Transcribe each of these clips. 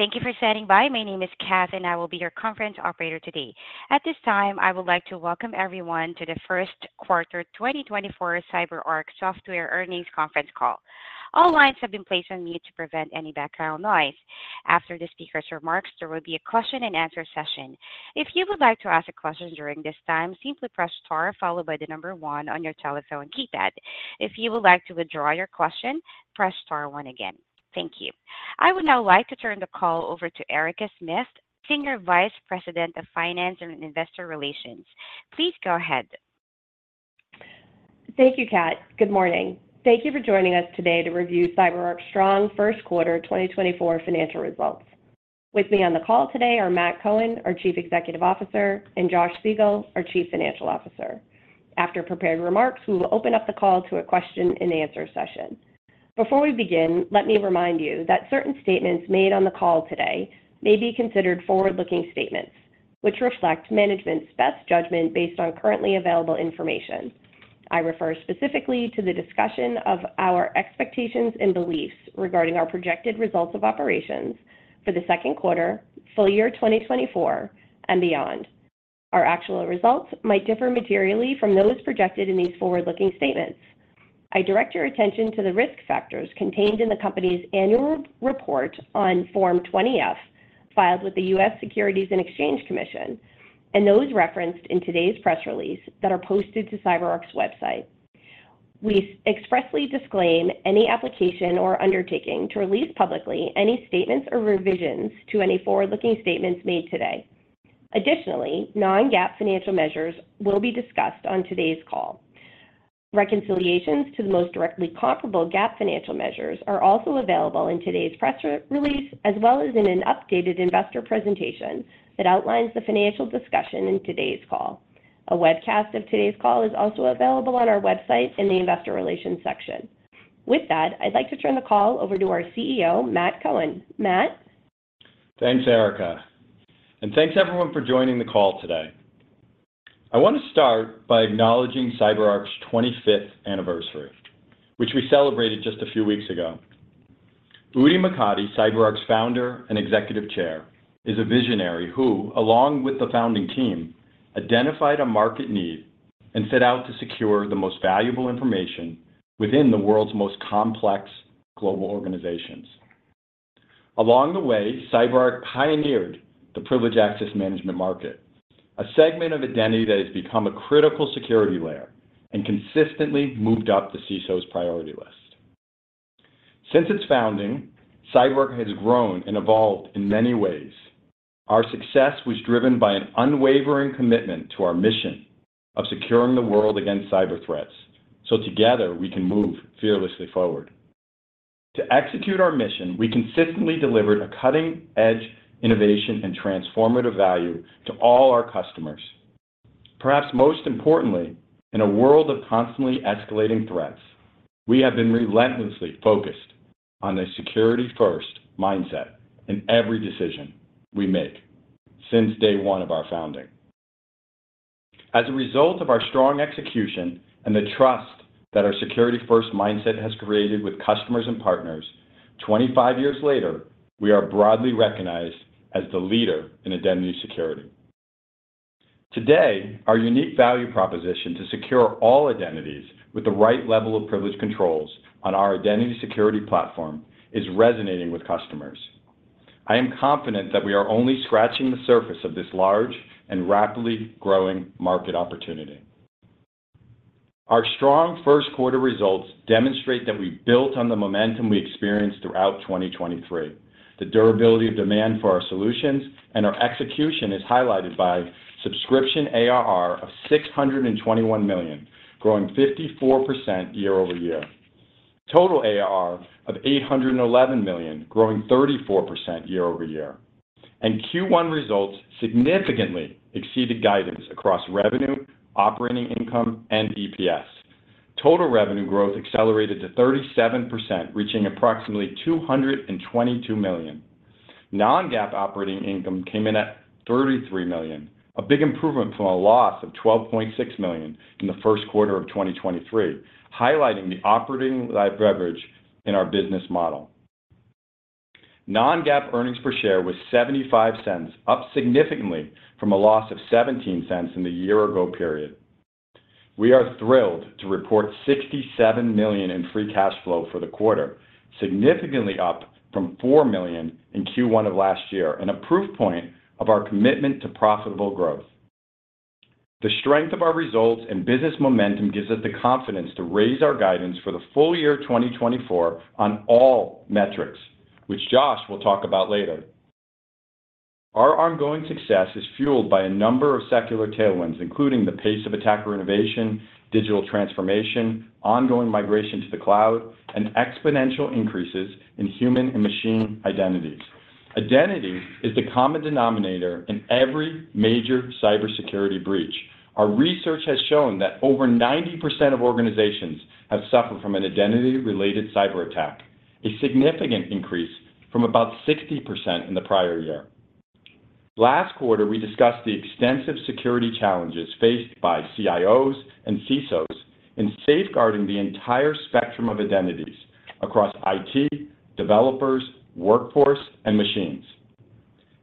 Thank you for standing by. My name is Kath, and I will be your conference operator today. At this time, I would like to welcome everyone to the first quarter 2024 CyberArk Software Earnings Conference call. All lines have been placed on mute to prevent any background noise. After the speaker's remarks, there will be a question-and-answer session. If you would like to ask a question during this time, simply press * followed by the number 1 on your telephone keypad. If you would like to withdraw your question, press * 1 again. Thank you. I would now like to turn the call over to Erica Smith, Senior Vice President of Finance and Investor Relations. Please go ahead. Thank you, Kath. Good morning. Thank you for joining us today to review CyberArk's strong first quarter 2024 financial results. With me on the call today are Matt Cohen, our Chief Executive Officer, and Josh Siegel, our Chief Financial Officer. After prepared remarks, we will open up the call to a question-and-answer session. Before we begin, let me remind you that certain statements made on the call today may be considered forward-looking statements, which reflect management's best judgment based on currently available information. I refer specifically to the discussion of our expectations and beliefs regarding our projected results of operations for the second quarter, full year 2024, and beyond. Our actual results might differ materially from those projected in these forward-looking statements. I direct your attention to the risk factors contained in the company's annual report on Form 20-F filed with the U.S. Securities and Exchange Commission and those referenced in today's press release that are posted to CyberArk's website. We expressly disclaim any application or undertaking to release publicly any statements or revisions to any forward-looking statements made today. Additionally, non-GAAP financial measures will be discussed on today's call. Reconciliations to the most directly comparable GAAP financial measures are also available in today's press release as well as in an updated investor presentation that outlines the financial discussion in today's call. A webcast of today's call is also available on our website in the investor relations section. With that, I'd like to turn the call over to our CEO, Matt Cohen. Matt? Thanks, Erica. And thanks, everyone, for joining the call today. I want to start by acknowledging CyberArk's 25th anniversary, which we celebrated just a few weeks ago. Udi Mokady, CyberArk's founder and Executive Chair, is a visionary who, along with the founding team, identified a market need and set out to secure the most valuable information within the world's most complex global organizations. Along the way, CyberArk pioneered the privileged access management market, a segment of identity that has become a critical security layer and consistently moved up the CISO's priority list. Since its founding, CyberArk has grown and evolved in many ways. Our success was driven by an unwavering commitment to our mission of securing the world against cyber threats, so together we can move fearlessly forward. To execute our mission, we consistently delivered a cutting-edge innovation and transformative value to all our customers. Perhaps most importantly, in a world of constantly escalating threats, we have been relentlessly focused on a security-first mindset in every decision we make since day one of our founding. As a result of our strong execution and the trust that our security-first mindset has created with customers and partners, 25 years later, we are broadly recognized as the leader in identity security. Today, our unique value proposition to secure all identities with the right level of privilege controls on our identity security platform is resonating with customers. I am confident that we are only scratching the surface of this large and rapidly growing market opportunity. Our strong first quarter results demonstrate that we built on the momentum we experienced throughout 2023. The durability of demand for our solutions and our execution is highlighted by subscription ARR of $621 million, growing 54% year-over-year. Total ARR of $811 million, growing 34% year-over-year. Q1 results significantly exceeded guidance across revenue, operating income, and EPS. Total revenue growth accelerated to 37%, reaching approximately $222 million. Non-GAAP operating income came in at $33 million, a big improvement from a loss of $12.6 million in the first quarter of 2023, highlighting the operating leverage in our business model. Non-GAAP earnings per share was $0.75, up significantly from a loss of $0.17 in the year-ago period. We are thrilled to report $67 million in free cash flow for the quarter, significantly up from $4 million in Q1 of last year, an improved point of our commitment to profitable growth. The strength of our results and business momentum gives us the confidence to raise our guidance for the full year 2024 on all metrics, which Josh will talk about later. Our ongoing success is fueled by a number of secular tailwinds, including the pace of attacker innovation, digital transformation, ongoing migration to the cloud, and exponential increases in human and machine identities. Identity is the common denominator in every major cybersecurity breach. Our research has shown that over 90% of organizations have suffered from an identity-related cyberattack, a significant increase from about 60% in the prior year. Last quarter, we discussed the extensive security challenges faced by CIOs and CISOs in safeguarding the entire spectrum of identities across IT, developers, workforce, and machines.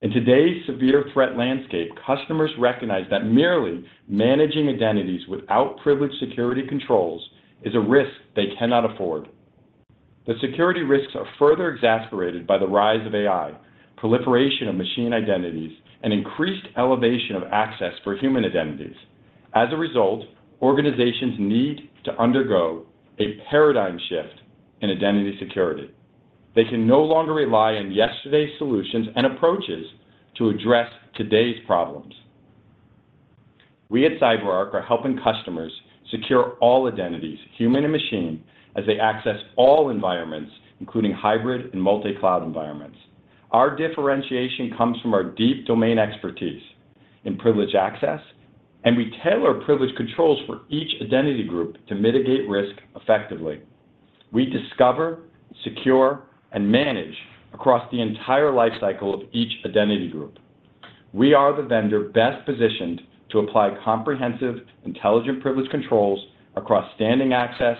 In today's severe threat landscape, customers recognize that merely managing identities without privileged security controls is a risk they cannot afford. The security risks are further exasperated by the rise of AI, proliferation of machine identities, and increased elevation of access for human identities. As a result, organizations need to undergo a paradigm shift in identity security. They can no longer rely on yesterday's solutions and approaches to address today's problems. We at CyberArk are helping customers secure all identities, human and machine, as they access all environments, including hybrid and multicloud environments. Our differentiation comes from our deep domain expertise in privileged access, and we tailor privileged controls for each identity group to mitigate risk effectively. We discover, secure, and manage across the entire lifecycle of each identity group. We are the vendor best positioned to apply comprehensive, intelligent privilege controls across standing access,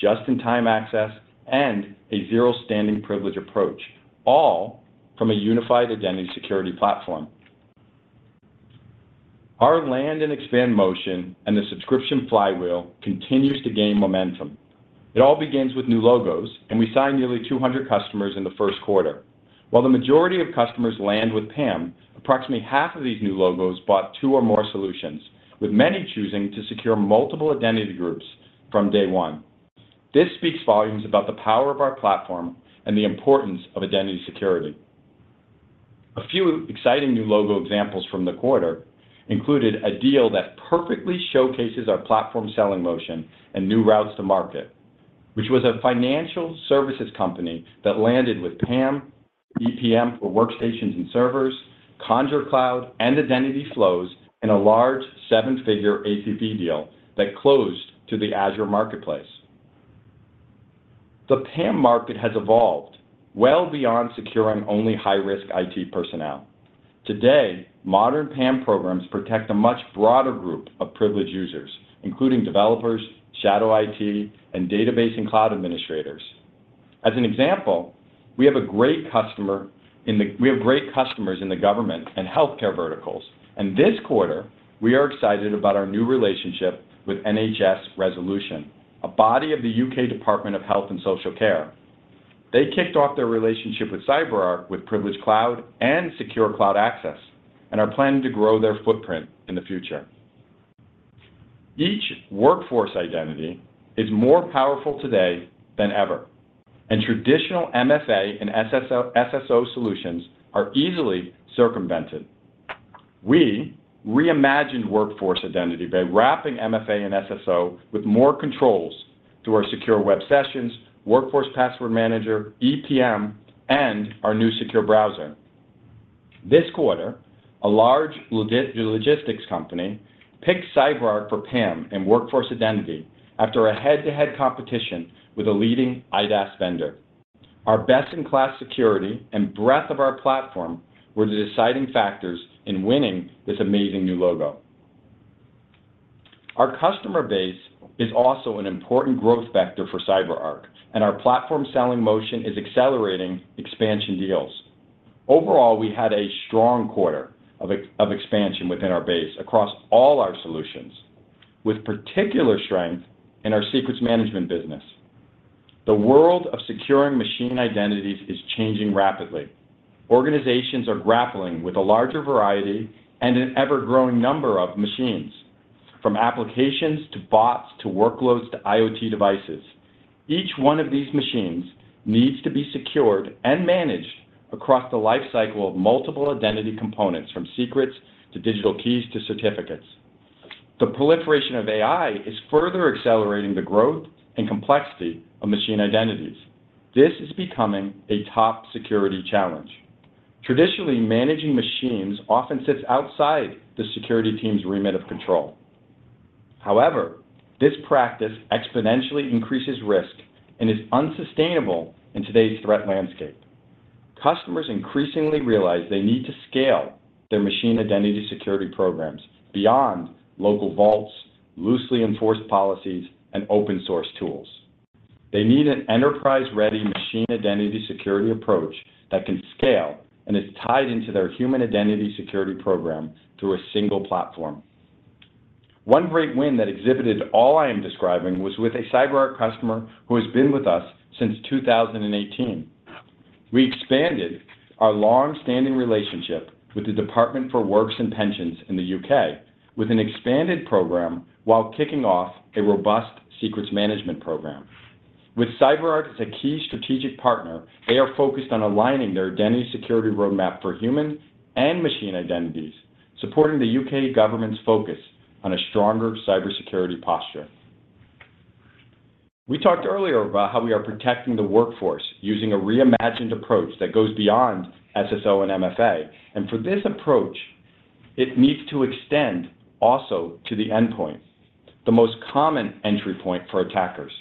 just-in-time access, and a zero standing privileges approach, all from a unified identity security platform. Our land and expand motion and the subscription flywheel continues to gain momentum. It all begins with new logos, and we signed nearly 200 customers in the first quarter. While the majority of customers land with PAM, approximately half of these new logos bought two or more solutions, with many choosing to secure multiple identity groups from day one. This speaks volumes about the power of our platform and the importance of identity security. A few exciting new logo examples from the quarter included a deal that perfectly showcases our platform selling motion and new routes to market, which was a financial services company that landed with PAM, EPM for workstations and servers, Conjur Cloud, and Identity Flows in a large seven-figure ACP deal that closed to the Azure Marketplace. The PAM market has evolved well beyond securing only high-risk IT personnel. Today, modern PAM programs protect a much broader group of privileged users, including developers, shadow IT, and database and cloud administrators. As an example, we have great customers in the government and healthcare verticals. This quarter, we are excited about our new relationship with NHS Resolution, a body of the UK Department of Health and Social Care. They kicked off their relationship with CyberArk with Privileged Cloud and Secure Cloud Access and are planning to grow their footprint in the future. Each Workforce Identity is more powerful today than ever, and traditional MFA and SSO solutions are easily circumvented. We reimagined Workforce Identity by wrapping MFA and SSO with more controls through our Secure Web Sessions, Workforce Password Manager, EPM, and our new Secure Browser. This quarter, a large logistics company picked CyberArk for PAM and Workforce Identity after a head-to-head competition with a leading IDaaS vendor. Our best-in-class security and breadth of our platform were the deciding factors in winning this amazing new logo. Our customer base is also an important growth vector for CyberArk, and our platform selling motion is accelerating expansion deals. Overall, we had a strong quarter of expansion within our base across all our solutions, with particular strength in our secrets management business. The world of securing machine identities is changing rapidly. Organizations are grappling with a larger variety and an ever-growing number of machines, from applications to bots to workloads to IoT devices. Each one of these machines needs to be secured and managed across the lifecycle of multiple identity components, from secrets to digital keys to certificates. The proliferation of AI is further accelerating the growth and complexity of machine identities. This is becoming a top security challenge. Traditionally, managing machines often sits outside the security team's remit of control. However, this practice exponentially increases risk and is unsustainable in today's threat landscape. Customers increasingly realize they need to scale their machine identity security programs beyond local vaults, loosely enforced policies, and open-source tools. They need an enterprise-ready machine identity security approach that can scale and is tied into their human identity security program through a single platform. One great win that exhibited all I am describing was with a CyberArk customer who has been with us since 2018. We expanded our longstanding relationship with the Department for Work and Pensions in the UK with an expanded program while kicking off a robust secrets management program. With CyberArk as a key strategic partner, they are focused on aligning their identity security roadmap for human and machine identities, supporting the UK government's focus on a stronger cybersecurity posture. We talked earlier about how we are protecting the workforce using a reimagined approach that goes beyond SSO and MFA. For this approach, it needs to extend also to the endpoint, the most common entry point for attackers.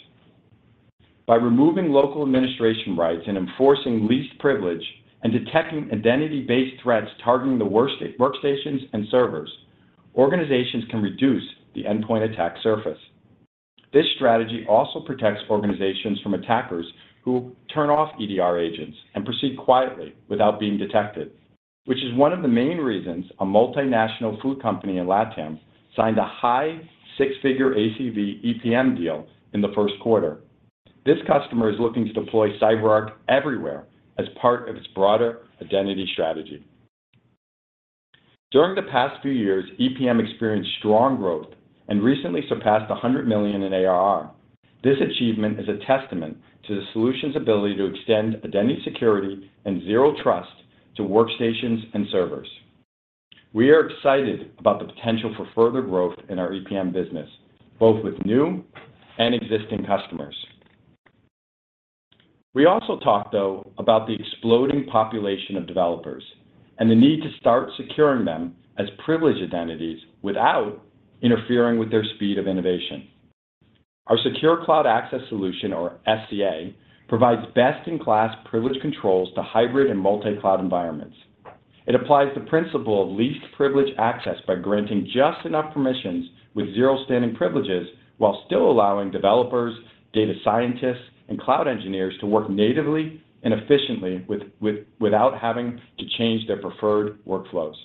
By removing local administration rights and enforcing least privilege and detecting identity-based threats targeting the workstations and servers, organizations can reduce the endpoint attack surface. This strategy also protects organizations from attackers who turn off EDR agents and proceed quietly without being detected, which is one of the main reasons a multinational food company in LATAM signed a high six-figure ACV EPM deal in the first quarter. This customer is looking to deploy CyberArk everywhere as part of its broader identity strategy. During the past few years, EPM experienced strong growth and recently surpassed $100 million in ARR. This achievement is a testament to the solution's ability to extend identity security and zero trust to workstations and servers. We are excited about the potential for further growth in our EPM business, both with new and existing customers. We also talked, though, about the exploding population of developers and the need to start securing them as privileged identities without interfering with their speed of innovation. Our secure cloud access solution, or SCA, provides best-in-class privilege controls to hybrid and multicloud environments. It applies the principle of least privilege access by granting just enough permissions with zero-standing privileges while still allowing developers, data scientists, and cloud engineers to work natively and efficiently without having to change their preferred workflows.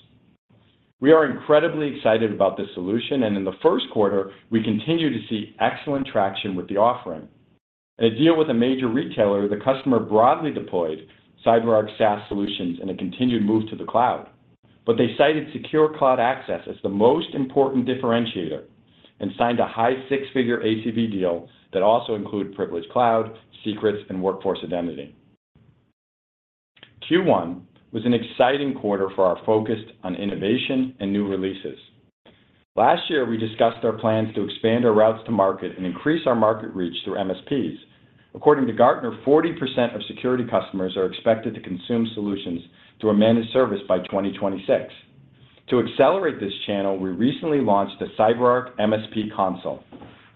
We are incredibly excited about this solution. In the first quarter, we continue to see excellent traction with the offering. In a deal with a major retailer, the customer broadly deployed CyberArk SaaS solutions in a continued move to the cloud. But they cited secure cloud access as the most important differentiator and signed a high six-figure ACV deal that also included privileged cloud, secrets, and workforce identity. Q1 was an exciting quarter for our focus on innovation and new releases. Last year, we discussed our plans to expand our routes to market and increase our market reach through MSPs. According to Gartner, 40% of security customers are expected to consume solutions through a managed service by 2026. To accelerate this channel, we recently launched the CyberArk MSP Console.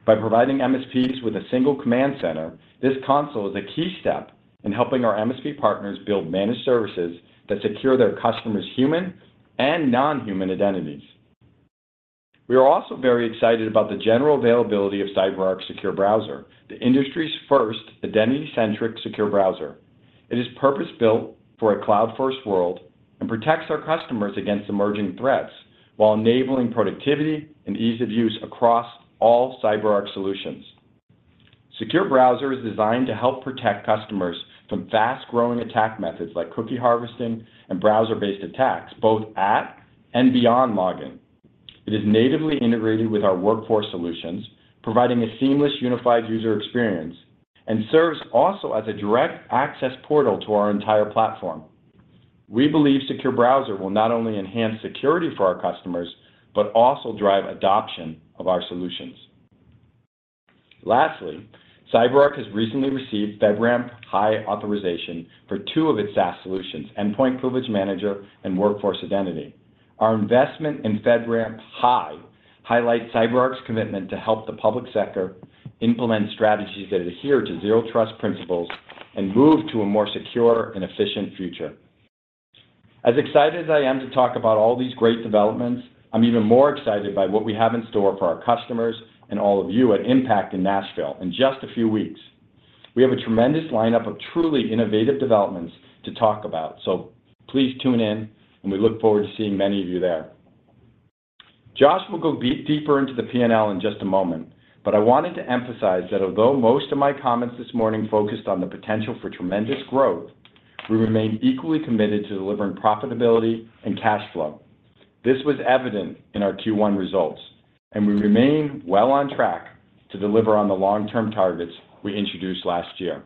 By providing MSPs with a single command center, this console is a key step in helping our MSP partners build managed services that secure their customers' human and non-human identities. We are also very excited about the general availability of CyberArk Secure Browser, the industry's first identity-centric secure browser. It is purpose-built for a cloud-first world and protects our customers against emerging threats while enabling productivity and ease of use across all CyberArk solutions. Secure Browser is designed to help protect customers from fast-growing attack methods like cookie harvesting and browser-based attacks, both at and beyond login. It is natively integrated with our workforce solutions, providing a seamless unified user experience, and serves also as a direct access portal to our entire platform. We believe Secure Browser will not only enhance security for our customers but also drive adoption of our solutions. Lastly, CyberArk has recently received FedRAMP High authorization for two of its SaaS solutions, Endpoint Privilege Manager and Workforce Identity. Our investment in FedRAMP High highlights CyberArk's commitment to help the public sector implement strategies that adhere to Zero Trust principles and move to a more secure and efficient future. As excited as I am to talk about all these great developments, I'm even more excited by what we have in store for our customers and all of you at Impact in Nashville in just a few weeks. We have a tremendous lineup of truly innovative developments to talk about. Please tune in, and we look forward to seeing many of you there. Josh will go deeper into the P&L in just a moment. I wanted to emphasize that although most of my comments this morning focused on the potential for tremendous growth, we remain equally committed to delivering profitability and cash flow. This was evident in our Q1 results, and we remain well on track to deliver on the long-term targets we introduced last year.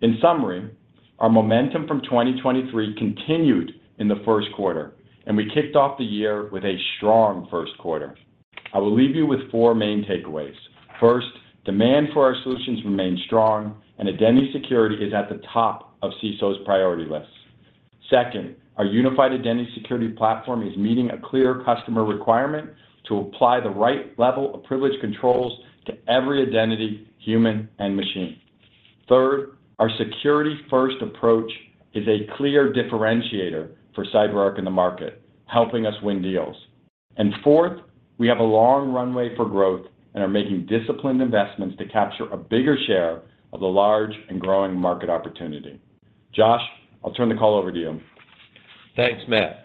In summary, our momentum from 2023 continued in the first quarter, and we kicked off the year with a strong first quarter. I will leave you with four main takeaways. First, demand for our solutions remains strong, and identity security is at the top of CISO's priority lists. Second, our unified identity security platform is meeting a clear customer requirement to apply the right level of privileged controls to every identity, human and machine. Third, our security-first approach is a clear differentiator for CyberArk in the market, helping us win deals. Fourth, we have a long runway for growth and are making disciplined investments to capture a bigger share of the large and growing market opportunity. Josh, I'll turn the call over to you. Thanks, Matt.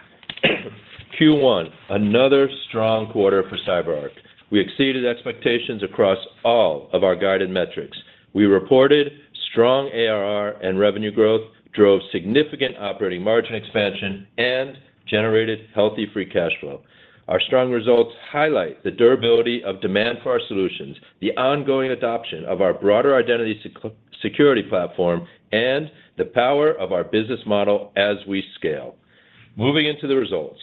Q1, another strong quarter for CyberArk. We exceeded expectations across all of our guided metrics. We reported strong ARR and revenue growth, drove significant operating margin expansion, and generated healthy free cash flow. Our strong results highlight the durability of demand for our solutions, the ongoing adoption of our broader identity security platform, and the power of our business model as we scale. Moving into the results,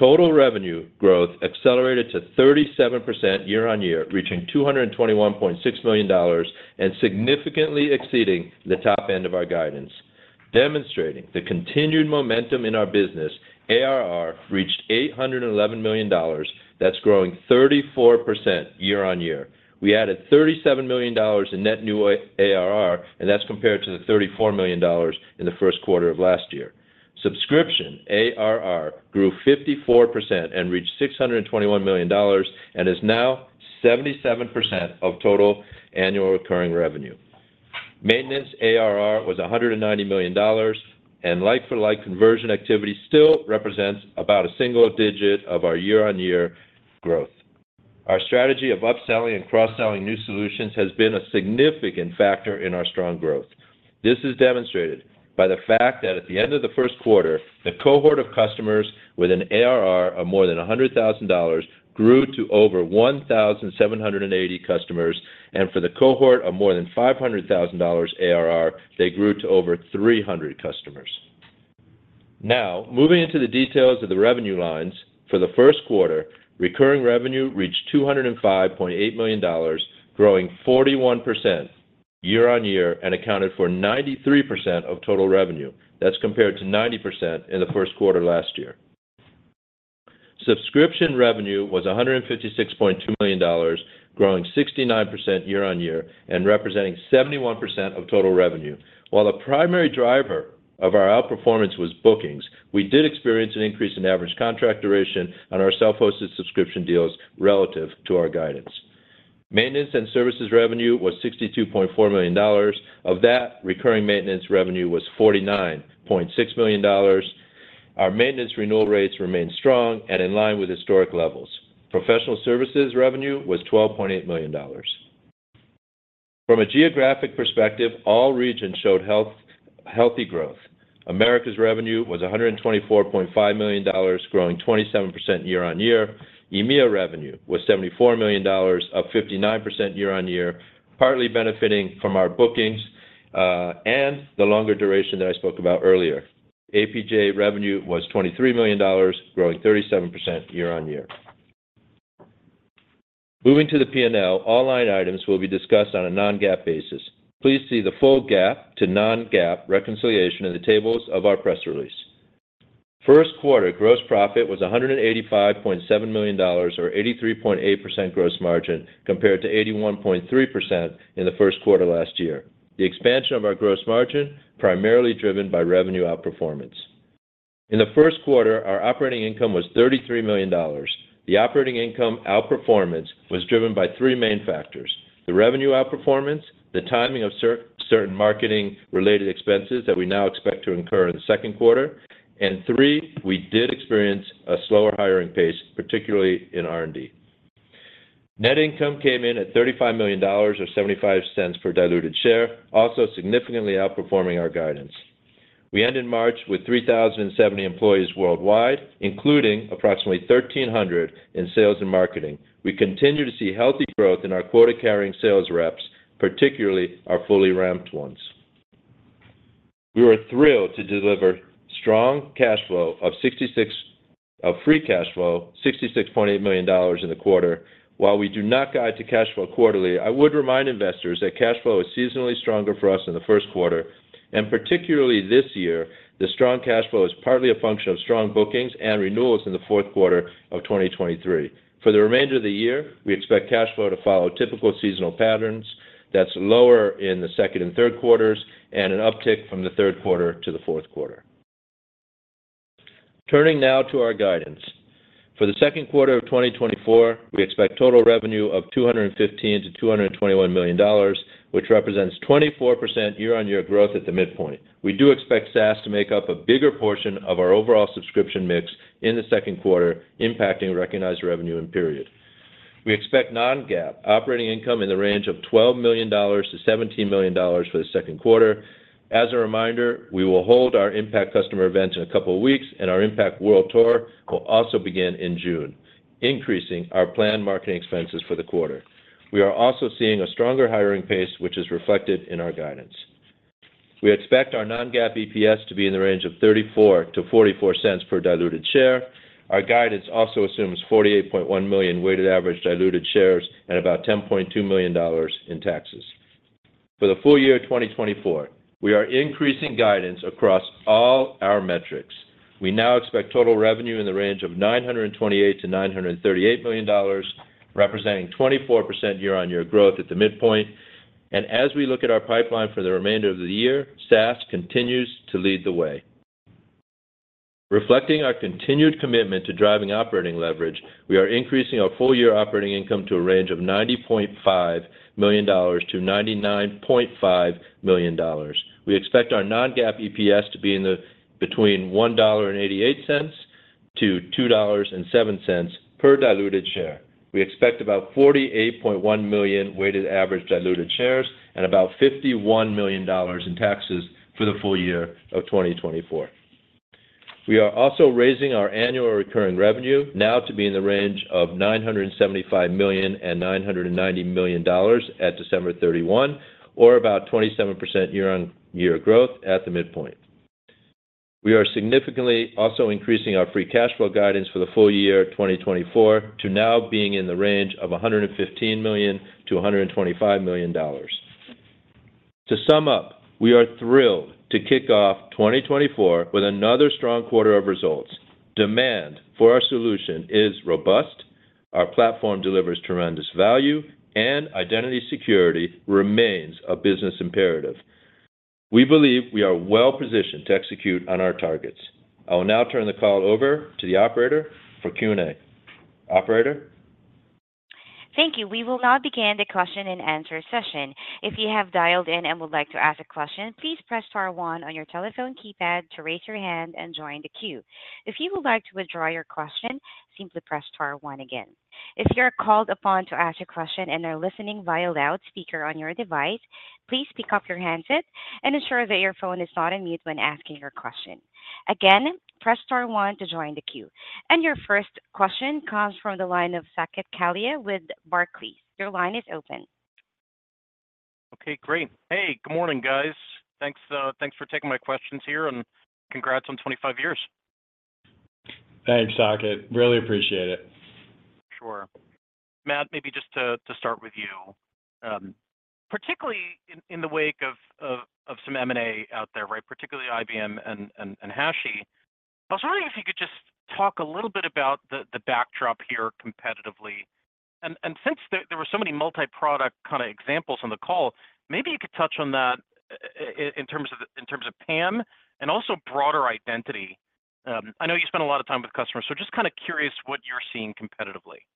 total revenue growth accelerated to 37% year-over-year, reaching $221.6 million and significantly exceeding the top end of our guidance. Demonstrating the continued momentum in our business, ARR reached $811 million. That's growing 34% year-over-year. We added $37 million in net new ARR, and that's compared to the $34 million in the first quarter of last year. Subscription ARR grew 54% and reached $621 million and is now 77% of total annual recurring revenue. Maintenance ARR was $190 million, and like-for-like conversion activity still represents about a single digit of our year-over-year growth. Our strategy of upselling and cross-selling new solutions has been a significant factor in our strong growth. This is demonstrated by the fact that at the end of the first quarter, the cohort of customers with an ARR of more than $100,000 grew to over 1,780 customers. For the cohort of more than $500,000 ARR, they grew to over 300 customers. Now, moving into the details of the revenue lines for the first quarter, recurring revenue reached $205.8 million, growing 41% year-over-year and accounted for 93% of total revenue. That's compared to 90% in the first quarter last year. Subscription revenue was $156.2 million, growing 69% year-over-year and representing 71% of total revenue. While the primary driver of our outperformance was bookings, we did experience an increase in average contract duration on our self-hosted subscription deals relative to our guidance. Maintenance and services revenue was $62.4 million. Of that, recurring maintenance revenue was $49.6 million. Our maintenance renewal rates remained strong and in line with historic levels. Professional services revenue was $12.8 million. From a geographic perspective, all regions showed healthy growth. Americas revenue was $124.5 million, growing 27% year-over-year. EMEA revenue was $74 million, up 59% year-over-year, partly benefiting from our bookings and the longer duration that I spoke about earlier. APJ revenue was $23 million, growing 37% year-over-year. Moving to the P&L, all line items will be discussed on a non-GAAP basis. Please see the full GAAP to non-GAAP reconciliation in the tables of our press release. First quarter gross profit was $185.7 million, or 83.8% gross margin compared to 81.3% in the first quarter last year. The expansion of our gross margin was primarily driven by revenue outperformance. In the first quarter, our operating income was $33 million. The operating income outperformance was driven by three main factors: the revenue outperformance, the timing of certain marketing-related expenses that we now expect to incur in the second quarter, and three, we did experience a slower hiring pace, particularly in R&D. Net income came in at $35 million, or $0.75 per diluted share, also significantly outperforming our guidance. We ended March with 3,070 employees worldwide, including approximately 1,300 in sales and marketing. We continue to see healthy growth in our quota-carrying sales reps, particularly our fully ramped ones. We were thrilled to deliver strong cash flow of $66.8 million in the quarter. While we do not guide to cash flow quarterly, I would remind investors that cash flow is seasonally stronger for us in the first quarter. Particularly this year, the strong cash flow is partly a function of strong bookings and renewals in the fourth quarter of 2023. For the remainder of the year, we expect cash flow to follow typical seasonal patterns. That's lower in the second and third quarters and an uptick from the third quarter to the fourth quarter. Turning now to our guidance. For the second quarter of 2024, we expect total revenue of $215-$221 million, which represents 24% year-on-year growth at the midpoint. We do expect SaaS to make up a bigger portion of our overall subscription mix in the second quarter, impacting recognized revenue and period. We expect non-GAAP operating income in the range of $12 million-$17 million for the second quarter. As a reminder, we will hold our Impact customer event in a couple of weeks, and our Impact World Tour will also begin in June, increasing our planned marketing expenses for the quarter. We are also seeing a stronger hiring pace, which is reflected in our guidance. We expect our non-GAAP EPS to be in the range of $0.34-$0.44 per diluted share. Our guidance also assumes 48.1 million weighted average diluted shares and about $10.2 million in taxes. For the full year 2024, we are increasing guidance across all our metrics. We now expect total revenue in the range of $928 million-$938 million, representing 24% year-on-year growth at the midpoint. As we look at our pipeline for the remainder of the year, SaaS continues to lead the way. Reflecting our continued commitment to driving operating leverage, we are increasing our full-year operating income to a range of $90.5 million-$99.5 million. We expect our non-GAAP EPS to be between $1.88-$2.07 per diluted share. We expect about 48.1 million weighted average diluted shares and about $51 million in taxes for the full year of 2024. We are also raising our annual recurring revenue now to be in the range of $975 million-$990 million at December 31, or about 27% year-on-year growth at the midpoint. We are significantly also increasing our free cash flow guidance for the full year 2024 to now being in the range of $115 million-$125 million. To sum up, we are thrilled to kick off 2024 with another strong quarter of results. Demand for our solution is robust. Our platform delivers tremendous value, and identity security remains a business imperative. We believe we are well positioned to execute on our targets. I will now turn the call over to the operator for Q&A. Operator? Thank you. We will now begin the question-and-answer session. If you have dialed in and would like to ask a question, please press star one on your telephone keypad to raise your hand and join the queue. If you would like to withdraw your question, simply press star one again. If you are called upon to ask a question and are listening via loudspeaker on your device, please pick up your handset and ensure that your phone is not on mute when asking your question. Again, press star one to join the queue. And your first question comes from the line of Saket Kalia with Barclays. Your line is open. Okay, great. Hey, good morning, guys. Thanks for taking my questions here, and congrats on 25 years. Thanks, Saket. Really appreciate it. Sure. Matt, maybe just to start with you, particularly in the wake of some M&A out there, particularly IBM and HashiCorp, I was wondering if you could just talk a little bit about the backdrop here competitively. And since there were so many multi-product kind of examples on the call, maybe you could touch on that in terms of PAM and also broader identity. I know you spend a lot of time with customers, so just kind of curious what you're seeing competitively.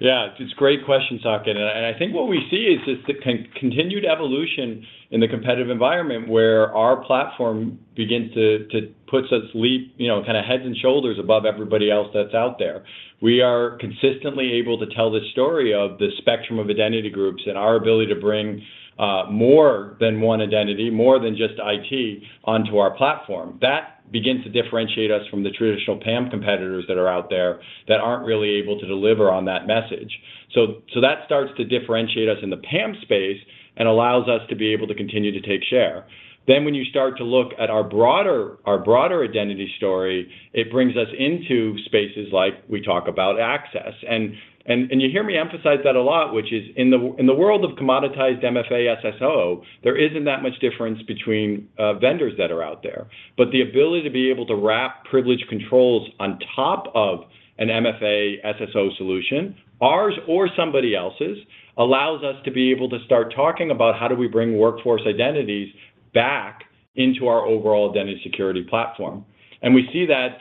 Yeah, it's a great question, Sakit. I think what we see is just the continued evolution in the competitive environment where our platform begins to put us kind of heads and shoulders above everybody else that's out there. We are consistently able to tell the story of the spectrum of identity groups and our ability to bring more than one identity, more than just IT, onto our platform. That begins to differentiate us from the traditional PAM competitors that are out there that aren't really able to deliver on that message. So that starts to differentiate us in the PAM space and allows us to be able to continue to take share. When you start to look at our broader identity story, it brings us into spaces like we talk about access. And you hear me emphasize that a lot, which is in the world of commoditized MFA/SSO, there isn't that much difference between vendors that are out there. But the ability to be able to wrap privileged controls on top of an MFA/SSO solution, ours or somebody else's, allows us to be able to start talking about how do we bring workforce identities back into our overall identity security platform. And we see that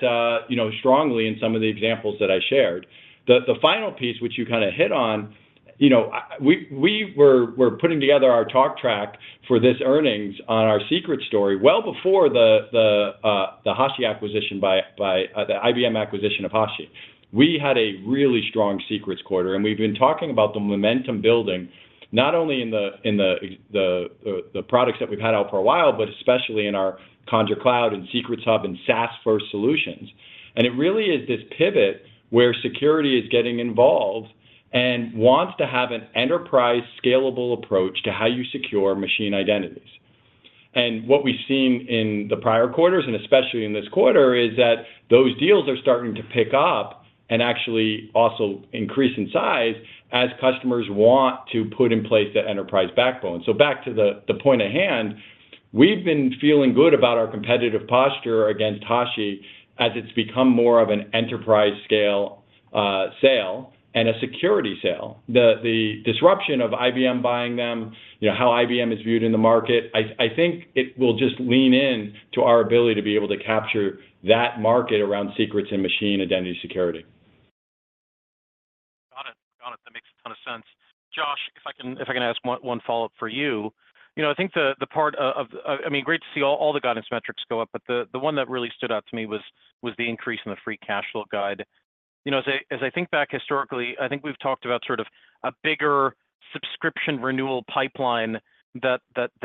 strongly in some of the examples that I shared. The final piece, which you kind of hit on, we were putting together our talk track for this earnings on our Secrets story well before the HashiCorp acquisition by the IBM acquisition of HashiCorp. We had a really strong secrets quarter, and we've been talking about the momentum building not only in the products that we've had out for a while, but especially in our Conjur Cloud and Secrets Hub and SaaS-first solutions. And it really is this pivot where security is getting involved and wants to have an enterprise-scalable approach to how you secure machine identities. And what we've seen in the prior quarters and especially in this quarter is that those deals are starting to pick up and actually also increase in size as customers want to put in place that enterprise backbone. So back to the point at hand, we've been feeling good about our competitive posture against HashiCorp as it's become more of an enterprise-scale sale and a security sale. The disruption of IBM buying them, how IBM is viewed in the market, I think it will just lean in to our ability to be able to capture that market around secrets and machine identity security. Got it. Got it. That makes a ton of sense. Josh, if I can ask one follow-up for you. I think the part of I mean, great to see all the guidance metrics go up, but the one that really stood out to me was the increase in the free cash flow guide. As I think back historically, I think we've talked about sort of a bigger subscription renewal pipeline that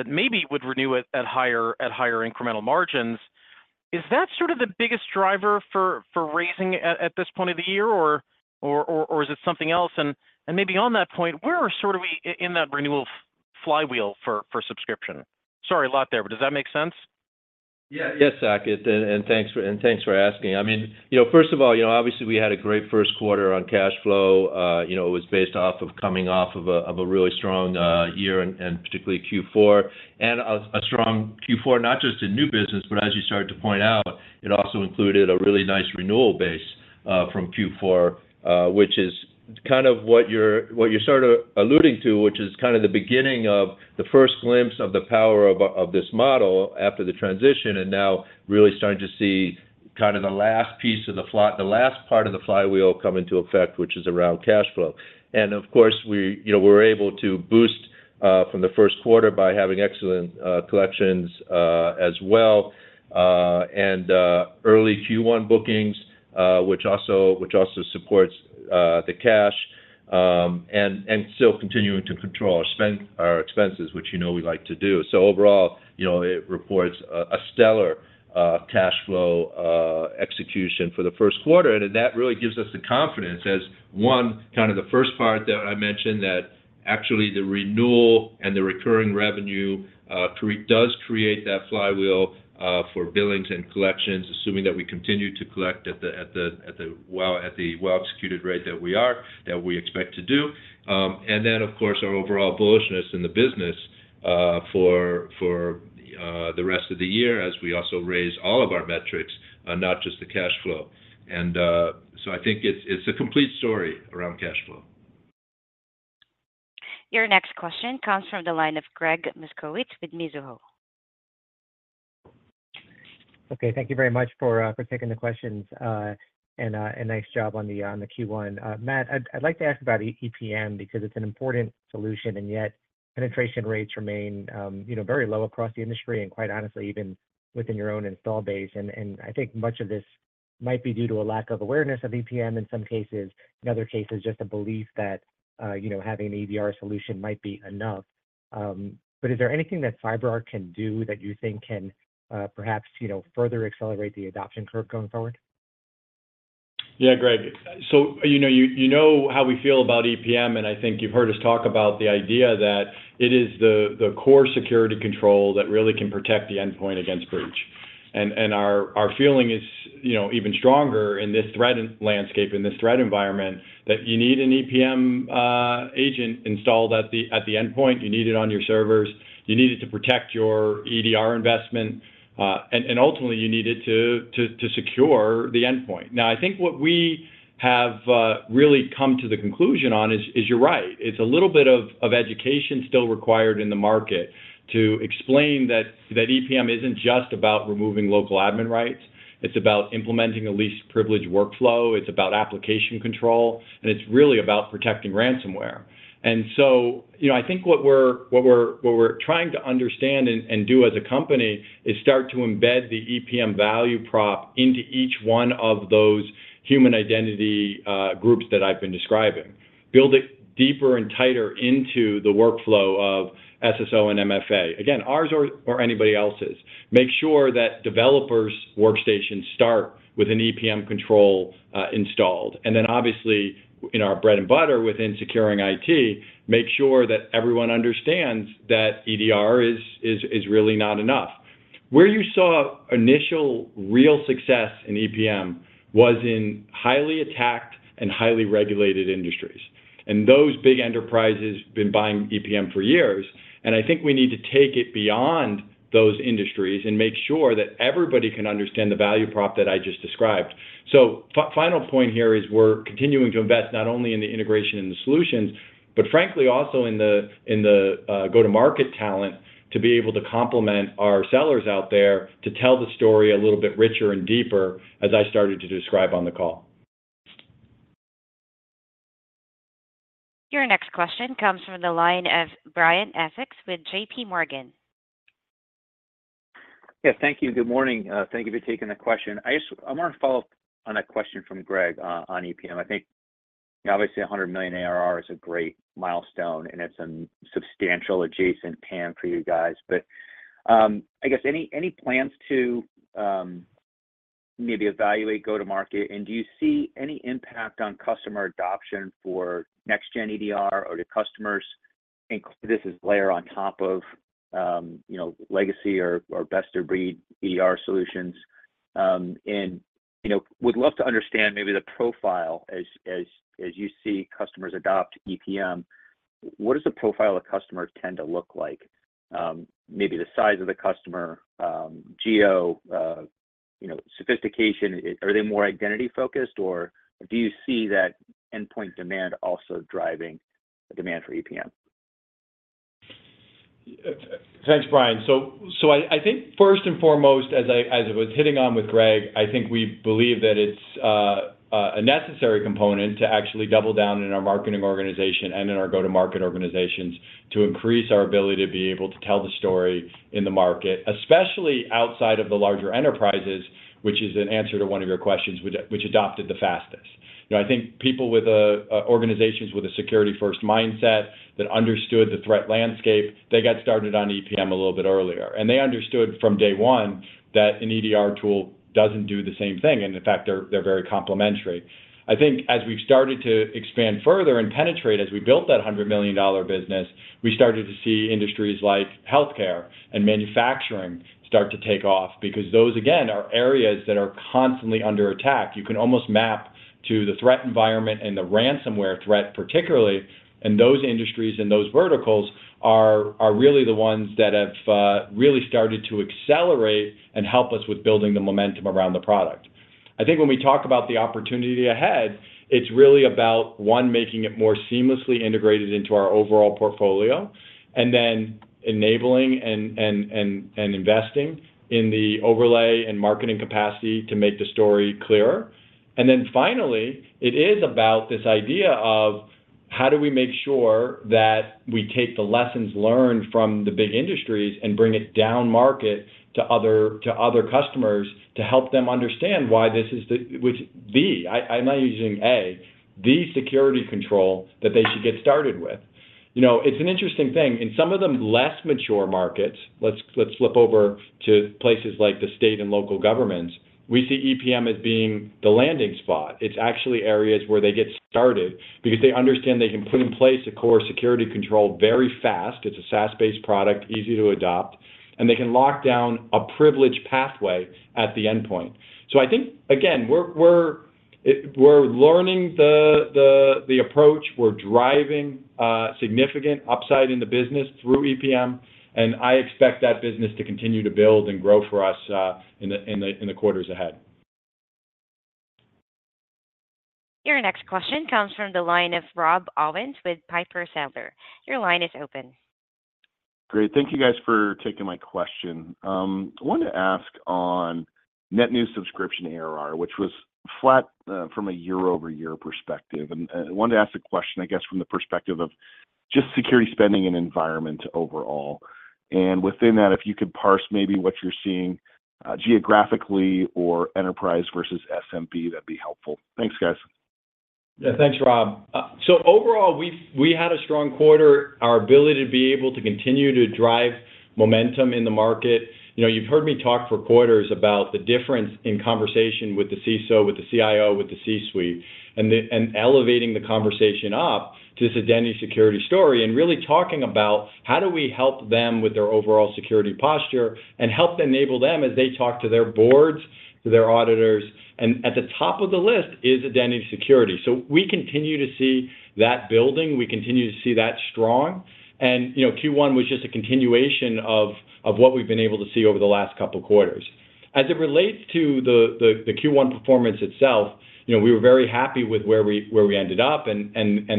maybe would renew at higher incremental margins. Is that sort of the biggest driver for raising at this point of the year, or is it something else? And maybe on that point, where sort of are we in that renewal flywheel for subscription? Sorry, a lot there, but does that make sense? Yeah, yes, Sakit. Thanks for asking. I mean, first of all, obviously, we had a great first quarter on cash flow. It was based off of coming off of a really strong year and particularly Q4. A strong Q4, not just in new business, but as you started to point out, it also included a really nice renewal base from Q4, which is kind of what you're sort of alluding to, which is kind of the beginning of the first glimpse of the power of this model after the transition and now really starting to see kind of the last piece of the float, the last part of the flywheel come into effect, which is around cash flow. Of course, we were able to boost from the first quarter by having excellent collections as well and early Q1 bookings, which also supports the cash and still continuing to control our expenses, which we like to do. Overall, it reports a stellar cash flow execution for the first quarter. That really gives us the confidence as, one, kind of the first part that I mentioned, that actually the renewal and the recurring revenue does create that flywheel for billings and collections, assuming that we continue to collect at the well-executed rate that we are, that we expect to do. Then, of course, our overall bullishness in the business for the rest of the year as we also raise all of our metrics, not just the cash flow. So I think it's a complete story around cash flow. Your next question comes from the line of Gregg Moskowitz with Mizuho. Okay, thank you very much for taking the questions. Nice job on the Q1. Matt, I'd like to ask about EPM because it's an important solution, and yet penetration rates remain very low across the industry and quite honestly, even within your own install base. I think much of this might be due to a lack of awareness of EPM in some cases. In other cases, just a belief that having an EDR solution might be enough. Is there anything that CyberArk can do that you think can perhaps further accelerate the adoption curve going forward? Yeah, Greg. So you know how we feel about EPM, and I think you've heard us talk about the idea that it is the core security control that really can protect the endpoint against breach. And our feeling is even stronger in this threat landscape, in this threat environment, that you need an EPM agent installed at the endpoint. You need it on your servers. You need it to protect your EDR investment. And ultimately, you need it to secure the endpoint. Now, I think what we have really come to the conclusion on is you're right. It's a little bit of education still required in the market to explain that EPM isn't just about removing local admin rights. It's about implementing a least privilege workflow. It's about application control. And it's really about protecting ransomware. And so I think what we're trying to understand and do as a company is start to embed the EPM value prop into each one of those human identity groups that I've been describing, build it deeper and tighter into the workflow of SSO and MFA. Again, ours or anybody else's. Make sure that developers' workstations start with an EPM control installed. And then obviously, in our bread and butter within securing IT, make sure that everyone understands that EDR is really not enough. Where you saw initial real success in EPM was in highly attacked and highly regulated industries. And those big enterprises have been buying EPM for years. And I think we need to take it beyond those industries and make sure that everybody can understand the value prop that I just described. Final point here is we're continuing to invest not only in the integration and the solutions, but frankly, also in the go-to-market talent to be able to complement our sellers out there to tell the story a little bit richer and deeper, as I started to describe on the call. Your next question comes from the line of Brian Essex with JPMorgan. Yes, thank you. Good morning. Thank you for taking the question. I want to follow up on a question from Greg on EPM. I think obviously, $100 million ARR is a great milestone, and it's a substantial adjacent PAM for you guys. But I guess any plans to maybe evaluate go-to-market? And do you see any impact on customer adoption for next-gen EDR or do customers include? This is layer on top of legacy or best-of-breed EDR solutions. And would love to understand maybe the profile as you see customers adopt EPM. What does the profile of customers tend to look like? Maybe the size of the customer, geo, sophistication. Are they more identity-focused, or do you see that endpoint demand also driving demand for EPM? Thanks, Brian. So I think first and foremost, as I was hitting on with Greg, I think we believe that it's a necessary component to actually double down in our marketing organization and in our go-to-market organizations to increase our ability to be able to tell the story in the market, especially outside of the larger enterprises, which is an answer to one of your questions, which adopted the fastest. I think people with organizations with a security-first mindset that understood the threat landscape, they got started on EPM a little bit earlier. They understood from day one that an EDR tool doesn't do the same thing. In fact, they're very complementary. I think as we've started to expand further and penetrate, as we built that $100 million business, we started to see industries like healthcare and manufacturing start to take off because those, again, are areas that are constantly under attack. You can almost map to the threat environment and the ransomware threat particularly. And those industries and those verticals are really the ones that have really started to accelerate and help us with building the momentum around the product. I think when we talk about the opportunity ahead, it's really about, one, making it more seamlessly integrated into our overall portfolio, and then enabling and investing in the overlay and marketing capacity to make the story clearer. Then finally, it is about this idea of how do we make sure that we take the lessons learned from the big industries and bring it down market to other customers to help them understand why this is the, I'm not using A, the security control that they should get started with. It's an interesting thing. In some of the less mature markets, let's flip over to places like the state and local governments. We see EPM as being the landing spot. It's actually areas where they get started because they understand they can put in place a core security control very fast. It's a SaaS-based product, easy to adopt. And they can lock down a privileged pathway at the endpoint. So I think, again, we're learning the approach. We're driving significant upside in the business through EPM. I expect that business to continue to build and grow for us in the quarters ahead. Your next question comes from the line of Rob Owens with Piper Sandler. Your line is open. Great. Thank you guys for taking my question. I wanted to ask on net new subscription ARR, which was flat from a year-over-year perspective. I wanted to ask a question, I guess, from the perspective of just security spending and environment overall. Within that, if you could parse maybe what you're seeing geographically or enterprise versus MSP, that'd be helpful. Thanks, guys. Yeah, thanks, Rob. So overall, we had a strong quarter. Our ability to be able to continue to drive momentum in the market. You've heard me talk for quarters about the difference in conversation with the CISO, with the CIO, with the C-suite, and elevating the conversation up to this identity security story and really talking about how do we help them with their overall security posture and help enable them as they talk to their boards, to their auditors. And at the top of the list is identity security. So we continue to see that building. We continue to see that strong. And Q1 was just a continuation of what we've been able to see over the last couple of quarters. As it relates to the Q1 performance itself, we were very happy with where we ended up and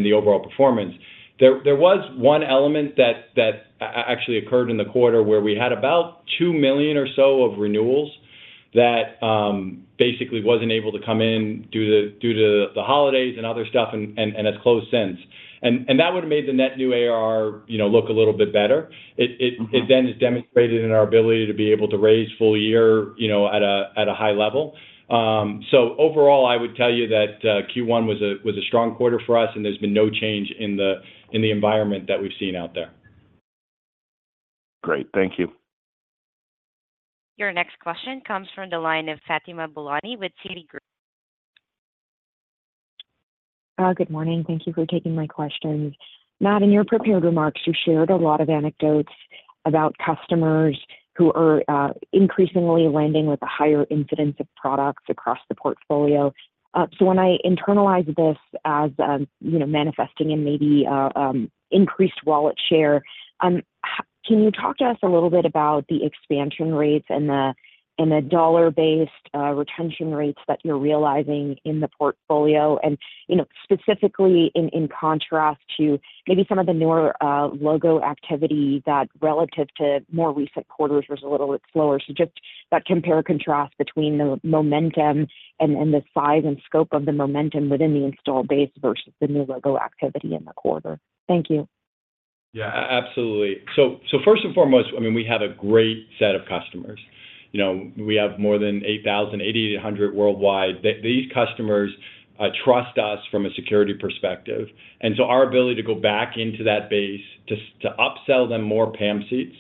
the overall performance. There was one element that actually occurred in the quarter where we had about $2 million or so of renewals that basically wasn't able to come in due to the holidays and other stuff and has closed since. And that would have made the net new ARR look a little bit better. It then has demonstrated in our ability to be able to raise full year at a high level. So overall, I would tell you that Q1 was a strong quarter for us, and there's been no change in the environment that we've seen out there. Great. Thank you. Your next question comes from the line of Fatima Boolani with Citigroup. Good morning. Thank you for taking my questions. Matt, in your prepared remarks, you shared a lot of anecdotes about customers who are increasingly landing with a higher incidence of products across the portfolio. So when I internalize this as manifesting in maybe increased wallet share, can you talk to us a little bit about the expansion rates and the dollar-based retention rates that you're realizing in the portfolio, and specifically in contrast to maybe some of the newer logo activity that relative to more recent quarters was a little bit slower? So just that compare-contrast between the momentum and the size and scope of the momentum within the installed base versus the new logo activity in the quarter. Thank you. Yeah, absolutely. So first and foremost, I mean, we have a great set of customers. We have more than 8,000-8,800 worldwide. These customers trust us from a security perspective. And so our ability to go back into that base to upsell them more PAM seats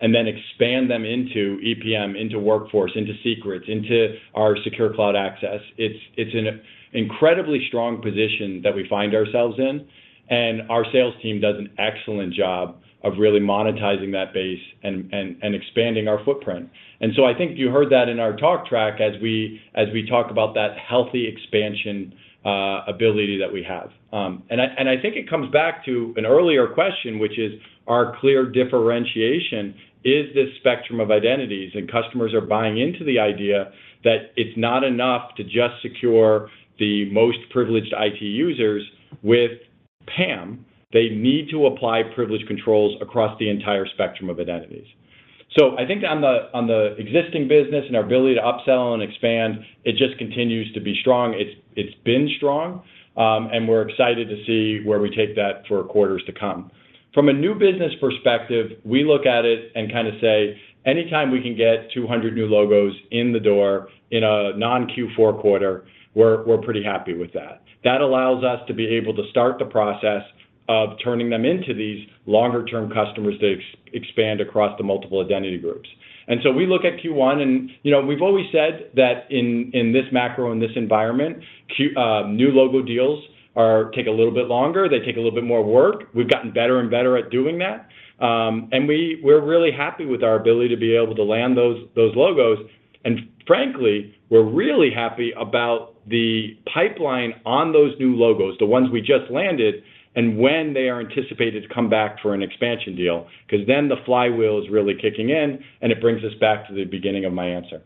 and then expand them into EPM, into Workforce, into Secrets, into our Secure Cloud Access, it's an incredibly strong position that we find ourselves in. And our sales team does an excellent job of really monetizing that base and expanding our footprint. And so I think you heard that in our talk track as we talk about that healthy expansion ability that we have. And I think it comes back to an earlier question, which is our clear differentiation: this spectrum of identities. Customers are buying into the idea that it's not enough to just secure the most privileged IT users with PAM. They need to apply privileged controls across the entire spectrum of identities. So I think on the existing business and our ability to upsell and expand, it just continues to be strong. It's been strong. And we're excited to see where we take that for quarters to come. From a new business perspective, we look at it and kind of say, "Anytime we can get 200 new logos in the door in a non-Q4 quarter, we're pretty happy with that." That allows us to be able to start the process of turning them into these longer-term customers to expand across the multiple identity groups. And so we look at Q1, and we've always said that in this macro, in this environment, new logo deals take a little bit longer. They take a little bit more work. We've gotten better and better at doing that. We're really happy with our ability to be able to land those logos. Frankly, we're really happy about the pipeline on those new logos, the ones we just landed, and when they are anticipated to come back for an expansion deal because then the flywheel is really kicking in. It brings us back to the beginning of my answer.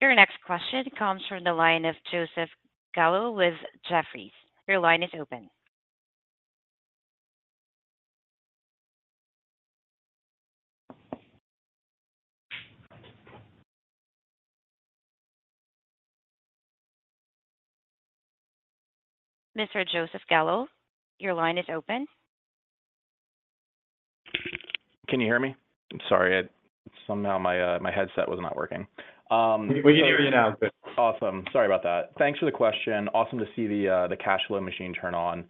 Your next question comes from the line of Joseph Gallo with Jefferies. Your line is open. Mr. Joseph Gallo, your line is open. Can you hear me? Sorry. Somehow, my headset was not working. We can hear you now. Awesome. Sorry about that. Thanks for the question. Awesome to see the cash flow machine turn on.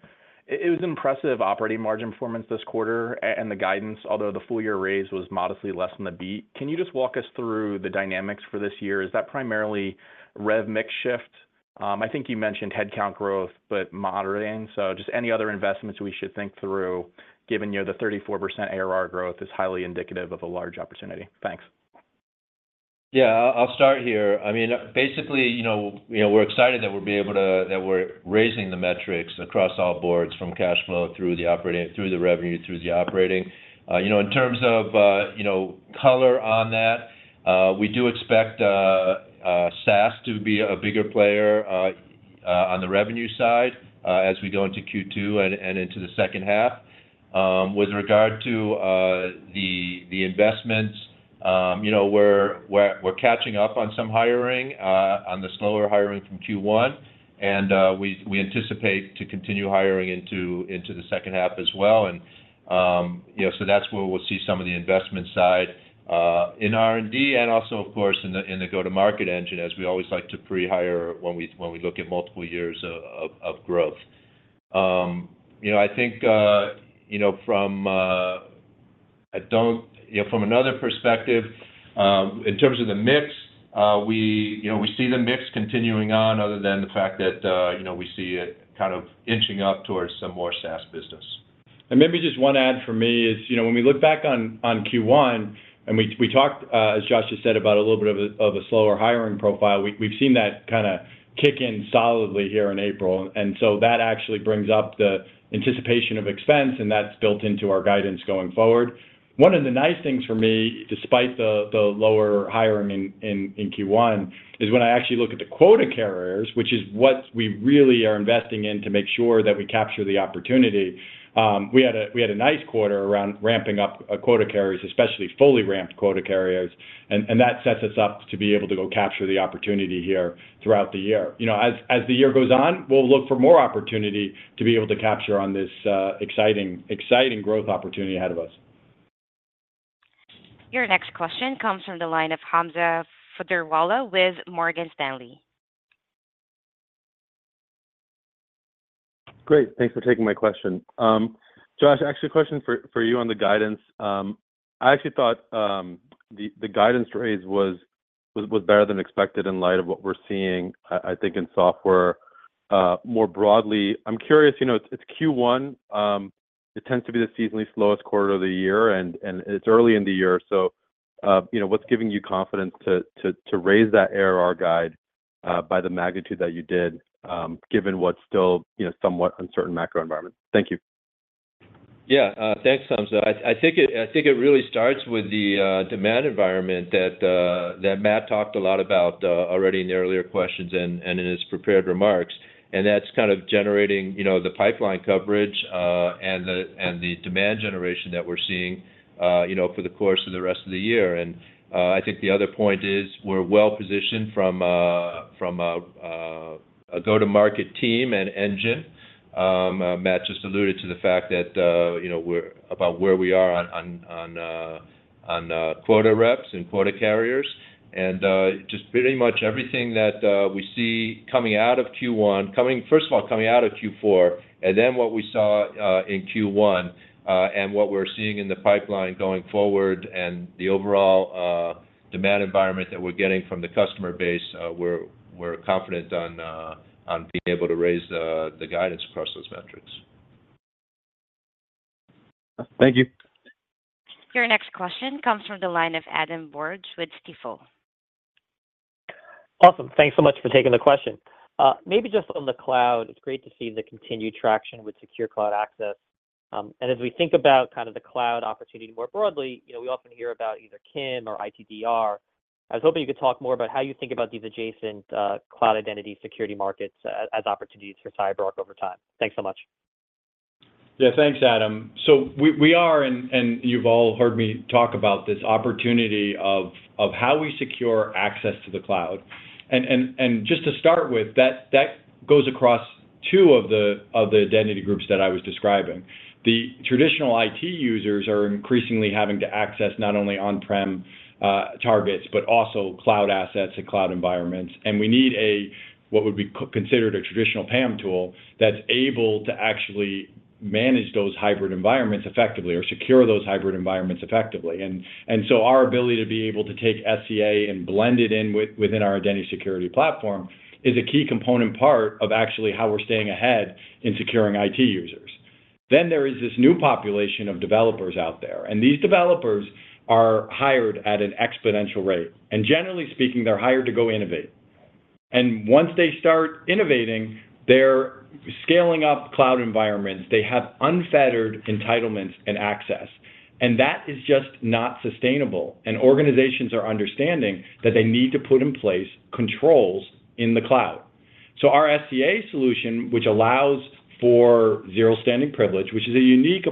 It was impressive operating margin performance this quarter and the guidance, although the full-year raise was modestly less than the beat. Can you just walk us through the dynamics for this year? Is that primarily rev mix shift? I think you mentioned headcount growth, but moderating. So just any other investments we should think through, given the 34% ARR growth is highly indicative of a large opportunity. Thanks. Yeah, I'll start here. I mean, basically, we're excited that we're raising the metrics across the board, from cash flow through the revenue through the operating. In terms of color on that, we do expect SaaS to be a bigger player on the revenue side as we go into Q2 and into the second half. With regard to the investments, we're catching up on some hiring, on the slower hiring from Q1. We anticipate to continue hiring into the second half as well. So that's where we'll see some of the investment side in R&D and also, of course, in the go-to-market engine, as we always like to prehire when we look at multiple years of growth. I think from another perspective, in terms of the mix, we see the mix continuing on other than the fact that we see it kind of inching up towards some more SaaS business. Maybe just one add for me is when we look back on Q1, and we talked, as Josh just said, about a little bit of a slower hiring profile, we've seen that kind of kick in solidly here in April. So that actually brings up the anticipation of expense, and that's built into our guidance going forward. One of the nice things for me, despite the lower hiring in Q1, is when I actually look at the quota carriers, which is what we really are investing in to make sure that we capture the opportunity, we had a nice quarter around ramping up quota carriers, especially fully ramped quota carriers. That sets us up to be able to go capture the opportunity here throughout the year. As the year goes on, we'll look for more opportunity to be able to capture on this exciting growth opportunity ahead of us. Your next question comes from the line of Hamza Fodderwala with Morgan Stanley. Great. Thanks for taking my question. Josh, actually, a question for you on the guidance. I actually thought the guidance raise was better than expected in light of what we're seeing, I think, in software more broadly. I'm curious. It's Q1. It tends to be the seasonally slowest quarter of the year, and it's early in the year. So what's giving you confidence to raise that ARR guide by the magnitude that you did, given what's still somewhat uncertain macro environment? Thank you. Yeah, thanks, Hamza. I think it really starts with the demand environment that Matt talked a lot about already in the earlier questions and in his prepared remarks. And that's kind of generating the pipeline coverage and the demand generation that we're seeing for the course of the rest of the year. And I think the other point is we're well positioned from a go-to-market team and engine. Matt just alluded to the fact about where we are on quota reps and quota carriers. And just pretty much everything that we see coming out of Q1, first of all, coming out of Q4, and then what we saw in Q1 and what we're seeing in the pipeline going forward and the overall demand environment that we're getting from the customer base, we're confident on being able to raise the guidance across those metrics. Thank you. Your next question comes from the line of Adam Borg with Stifel. Awesome. Thanks so much for taking the question. Maybe just on the cloud, it's great to see the continued traction with Secure Cloud Access. And as we think about kind of the cloud opportunity more broadly, we often hear about either CIEM or ITDR. I was hoping you could talk more about how you think about these adjacent cloud identity security markets as opportunities for CyberArk over time. Thanks so much. Yeah, thanks, Adam. So we are, and you've all heard me talk about this opportunity of how we secure access to the cloud. And just to start with, that goes across two of the identity groups that I was describing. The traditional IT users are increasingly having to access not only on-prem targets but also cloud assets and cloud environments. And we need what would be considered a traditional PAM tool that's able to actually manage those hybrid environments effectively or secure those hybrid environments effectively. And so our ability to be able to take SCA and blend it in within our identity security platform is a key component part of actually how we're staying ahead in securing IT users. Then there is this new population of developers out there. And these developers are hired at an exponential rate. And generally speaking, they're hired to go innovate. Once they start innovating, they're scaling up cloud environments. They have unfettered entitlements and access. That is just not sustainable. Organizations are understanding that they need to put in place controls in the cloud. Our SCA solution, which allows for zero standing privileges, which is a unique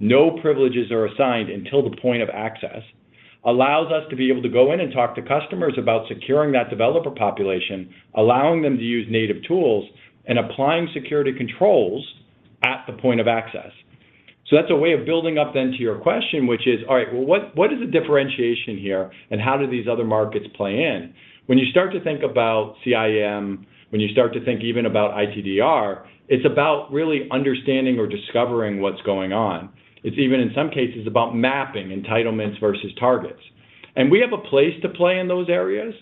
approach—no privileges are assigned until the point of access—allows us to be able to go in and talk to customers about securing that developer population, allowing them to use native tools, and applying security controls at the point of access. That's a way of building up then to your question, which is, "All right, well, what is the differentiation here, and how do these other markets play in?" When you start to think about CIEM, when you start to think even about ITDR, it's about really understanding or discovering what's going on. It's even, in some cases, about mapping entitlements versus targets. And we have a place to play in those areas.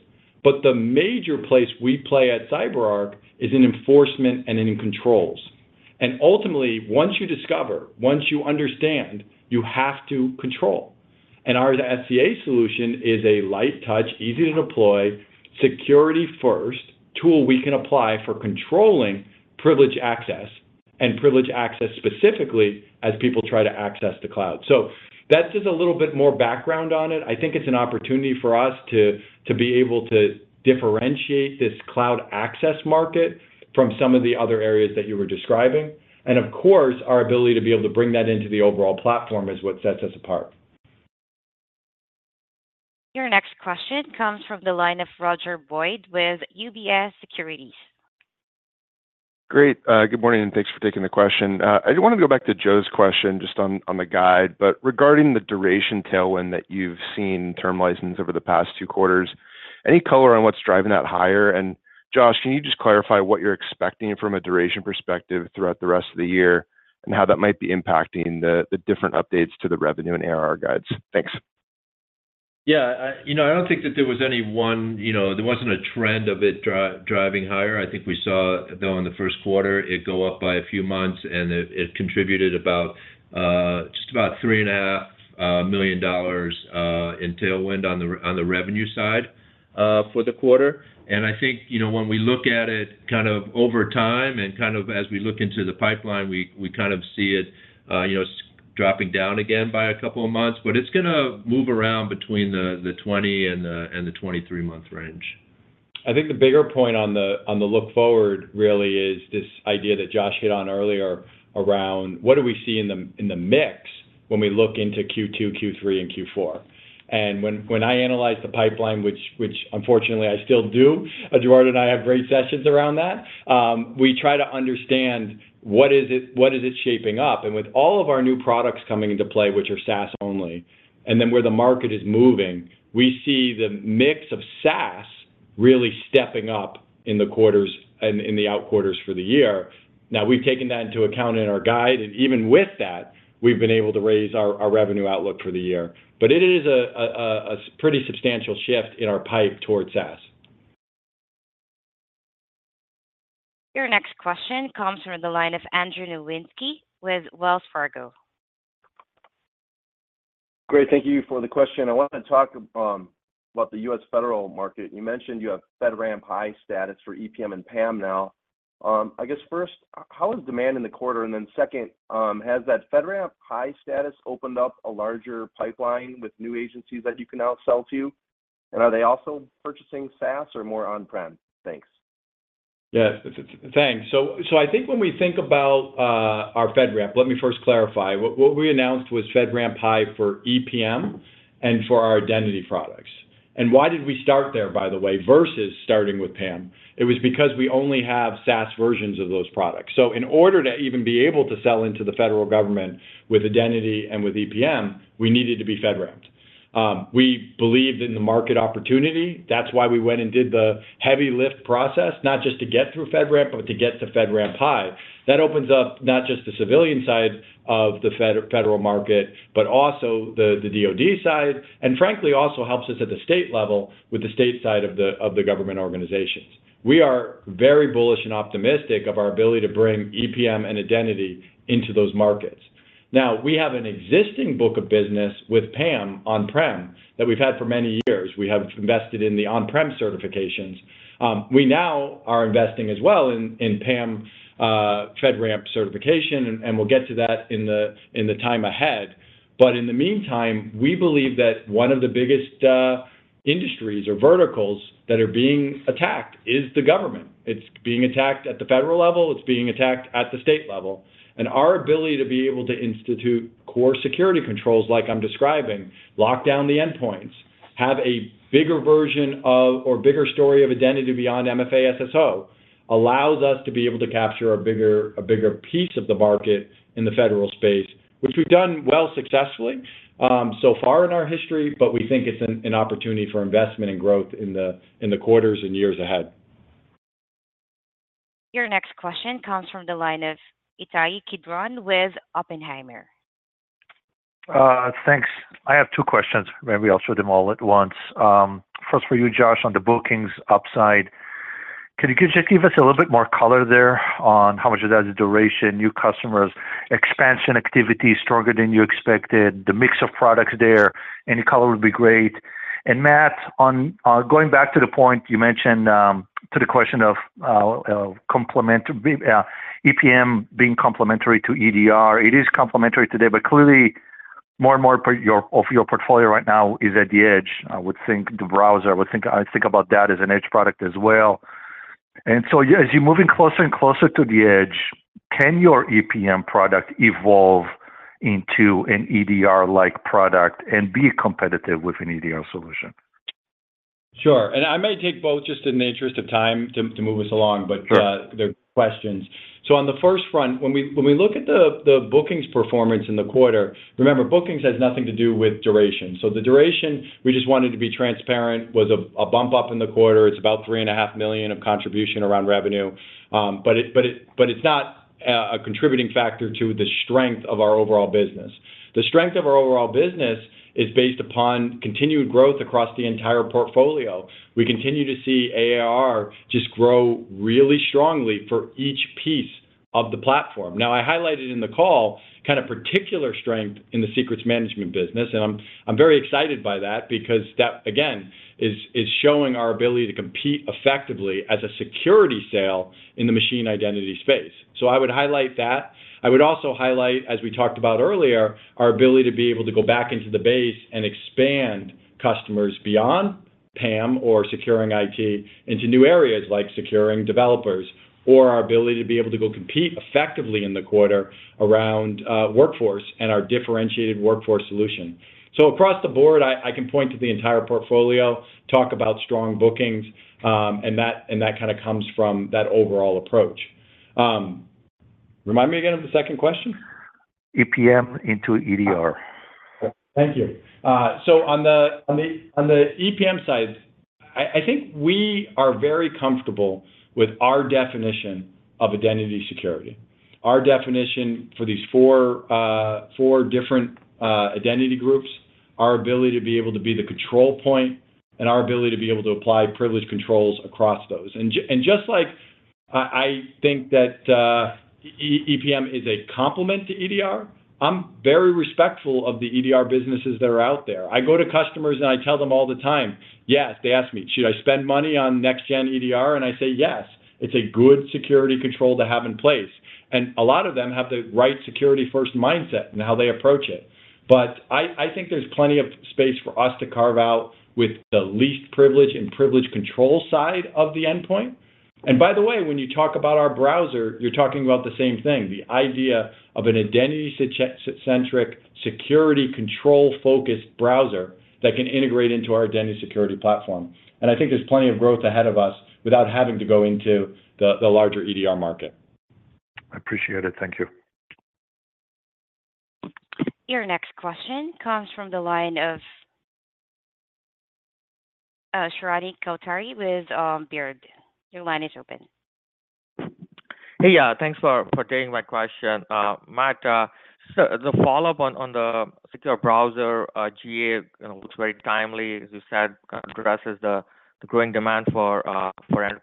But the major place we play at CyberArk is in enforcement and in controls. And ultimately, once you discover, once you understand, you have to control. And our SCA solution is a light touch, easy to deploy, security-first tool we can apply for controlling privileged access and privileged access specifically as people try to access the cloud. So that's just a little bit more background on it. I think it's an opportunity for us to be able to differentiate this cloud access market from some of the other areas that you were describing. And of course, our ability to be able to bring that into the overall platform is what sets us apart. Your next question comes from the line of Roger Boyd with UBS Securities. Great. Good morning, and thanks for taking the question. I didn't want to go back to Joe's question just on the guide. But regarding the duration tailwind that you've seen in term license over the past two quarters, any color on what's driving that higher? And Josh, can you just clarify what you're expecting from a duration perspective throughout the rest of the year and how that might be impacting the different updates to the revenue and ARR guides? Thanks. Yeah, I don't think that there was any one there wasn't a trend of it driving higher. I think we saw, though, in the first quarter, it go up by a few months, and it contributed just about $3.5 million in tailwind on the revenue side for the quarter. And I think when we look at it kind of over time and kind of as we look into the pipeline, we kind of see it dropping down again by a couple of months. But it's going to move around between the 20- and 23-month range. I think the bigger point on the look forward really is this idea that Josh hit on earlier around what do we see in the mix when we look into Q2, Q3, and Q4? And when I analyze the pipeline, which unfortunately, I still do, Eduarda and I have great sessions around that, we try to understand what is it shaping up. And with all of our new products coming into play, which are SaaS-only, and then where the market is moving, we see the mix of SaaS really stepping up in the outquarters for the year. Now, we've taken that into account in our guide. And even with that, we've been able to raise our revenue outlook for the year. But it is a pretty substantial shift in our pipe toward SaaS. Your next question comes from the line of Andrew Nowinski with Wells Fargo. Great. Thank you for the question. I want to talk about the U.S. federal market. You mentioned you have FedRAMP High status for EPM and PAM now. I guess first, how is demand in the quarter? And then second, has that FedRAMP High status opened up a larger pipeline with new agencies that you can now sell to? And are they also purchasing SaaS or more on-prem? Thanks. Yeah, thanks. So I think when we think about our FedRAMP, let me first clarify. What we announced was FedRAMP high for EPM and for our identity products. And why did we start there, by the way, versus starting with PAM? It was because we only have SaaS versions of those products. So in order to even be able to sell into the federal government with identity and with EPM, we needed to be FedRAMPed. We believed in the market opportunity. That's why we went and did the heavy lift process, not just to get through FedRAMP, but to get to FedRAMP high. That opens up not just the civilian side of the federal market, but also the DOD side, and frankly, also helps us at the state level with the state side of the government organizations. We are very bullish and optimistic of our ability to bring EPM and identity into those markets. Now, we have an existing book of business with PAM on-prem that we've had for many years. We have invested in the on-prem certifications. We now are investing as well in PAM FedRAMP certification. And we'll get to that in the time ahead. But in the meantime, we believe that one of the biggest industries or verticals that are being attacked is the government. It's being attacked at the federal level. It's being attacked at the state level. And our ability to be able to institute core security controls like I'm describing, lock down the endpoints, have a bigger version or bigger story of identity beyond MFA/SSO, allows us to be able to capture a bigger piece of the market in the federal space, which we've done well successfully so far in our history. But we think it's an opportunity for investment and growth in the quarters and years ahead. Your next question comes from the line of Itai Kidron with Oppenheimer. Thanks. I have two questions. Maybe I'll show them all at once. First for you, Josh, on the bookings upside, can you just give us a little bit more color there on how much of that is duration, new customers, expansion activity stronger than you expected, the mix of products there? Any color would be great. And Matt, going back to the point you mentioned to the question of EPM being complementary to EDR, it is complementary today. But clearly, more and more of your portfolio right now is at the edge, I would think, the browser. I think about that as an edge product as well. And so as you're moving closer and closer to the edge, can your EPM product evolve into an EDR-like product and be competitive with an EDR solution? Sure. And I may take both just in the interest of time to move us along. But they're good questions. So on the first front, when we look at the bookings performance in the quarter, remember, bookings has nothing to do with duration. So the duration, we just wanted to be transparent, was a bump up in the quarter. It's about $3.5 million of contribution around revenue. But it's not a contributing factor to the strength of our overall business. The strength of our overall business is based upon continued growth across the entire portfolio. We continue to see ARR just grow really strongly for each piece of the platform. Now, I highlighted in the call kind of particular strength in the secrets management business. And I'm very excited by that because that, again, is showing our ability to compete effectively as a security SaaS in the machine identity space. I would highlight that. I would also highlight, as we talked about earlier, our ability to be able to go back into the base and expand customers beyond PAM or securing IT into new areas like securing developers or our ability to be able to go compete effectively in the quarter around workforce and our differentiated workforce solution. Across the board, I can point to the entire portfolio, talk about strong bookings. That kind of comes from that overall approach. Remind me again of the second question. EPM into EDR. Thank you. So on the EPM side, I think we are very comfortable with our definition of identity security, our definition for these four different identity groups, our ability to be able to be the control point, and our ability to be able to apply privileged controls across those. Just like I think that EPM is a complement to EDR, I'm very respectful of the EDR businesses that are out there. I go to customers, and I tell them all the time, "Yes." They ask me, "Should I spend money on next-gen EDR?" And I say, "Yes. It's a good security control to have in place." A lot of them have the right security-first mindset and how they approach it. But I think there's plenty of space for us to carve out with the least privilege and privileged control side of the endpoint. By the way, when you talk about our browser, you're talking about the same thing, the idea of an identity-centric security control-focused browser that can integrate into our identity security platform. I think there's plenty of growth ahead of us without having to go into the larger EDR market. I appreciate it. Thank you. Your next question comes from the line of Shrenik Kothari with Baird. Your line is open. Hey, yeah. Thanks for taking my question. Matt, the follow-up on the secure browser GA looks very timely, as you said, kind of addresses the growing demand for enterprise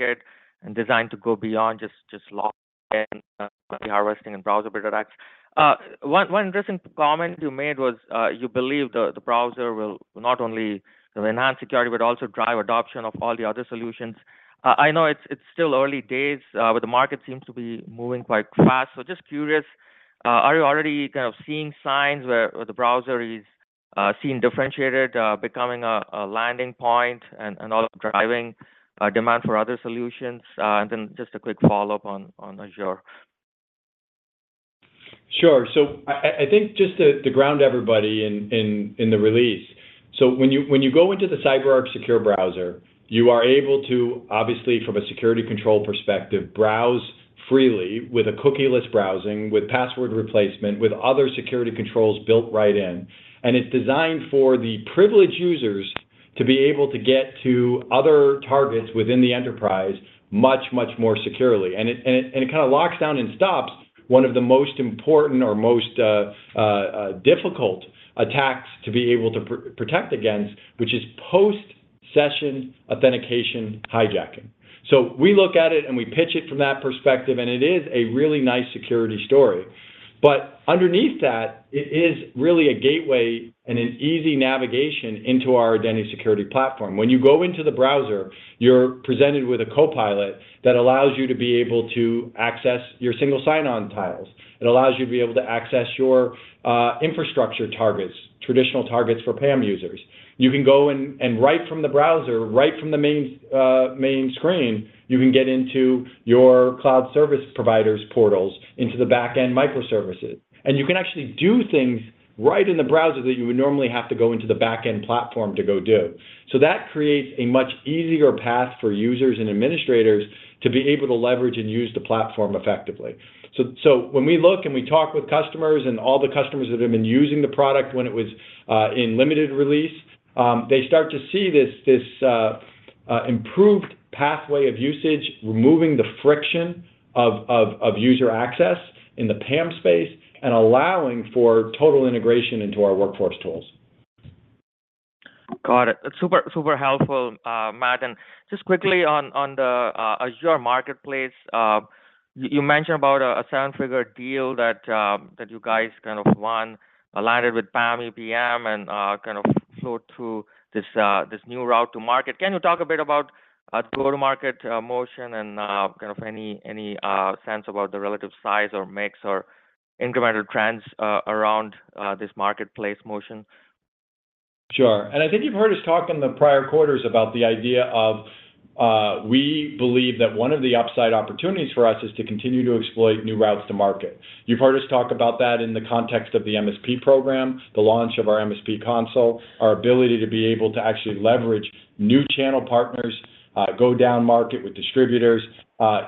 market and designed to go beyond just login, cookie harvesting, and browser data docs. One interesting comment you made was you believe the browser will not only enhance security but also drive adoption of all the other solutions. I know it's still early days, but the market seems to be moving quite fast. So just curious, are you already kind of seeing signs where the browser is seen differentiated, becoming a landing point, and also driving demand for other solutions? And then just a quick follow-up on Azure. Sure. So I think just to ground everybody in the release. So when you go into the CyberArk Secure Browser, you are able to, obviously, from a security control perspective, browse freely with a cookieless browsing, with password replacement, with other security controls built right in. And it's designed for the privileged users to be able to get to other targets within the enterprise much, much more securely. And it kind of locks down and stops one of the most important or most difficult attacks to be able to protect against, which is post-session authentication hijacking. So we look at it, and we pitch it from that perspective. And it is a really nice security story. But underneath that, it is really a gateway and an easy navigation into our identity security platform. When you go into the browser, you're presented with a Copilot that allows you to be able to access your single sign-on tiles. It allows you to be able to access your infrastructure targets, traditional targets for PAM users. You can go in and right from the browser, right from the main screen, you can get into your cloud service provider's portals, into the backend microservices. You can actually do things right in the browser that you would normally have to go into the backend platform to go do. That creates a much easier path for users and administrators to be able to leverage and use the platform effectively. So when we look and we talk with customers and all the customers that have been using the product when it was in limited release, they start to see this improved pathway of usage, removing the friction of user access in the PAM space and allowing for total integration into our workforce tools. Got it. That's super helpful, Matt. And just quickly on the Azure Marketplace, you mentioned about a seven-figure deal that you guys kind of won, landed with PAM, EPM, and kind of flew through this new route to market. Can you talk a bit about go-to-market motion and kind of any sense about the relative size or mix or incremental trends around this marketplace motion? Sure. And I think you've heard us talk in the prior quarters about the idea of we believe that one of the upside opportunities for us is to continue to exploit new routes to market. You've heard us talk about that in the context of the MSP program, the launch of our MSP console, our ability to be able to actually leverage new channel partners, go down market with distributors,